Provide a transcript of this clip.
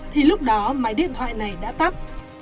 thì lúc đó máy điện thoại này đã tắt